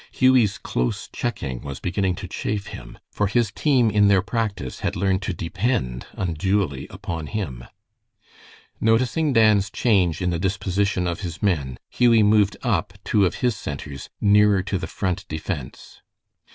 Hughie's close checking was beginning to chafe him, for his team in their practice had learned to depend unduly upon him. Noticing Dan's change in the disposition of his men, Hughie moved up two of his centers nearer to the Front defense.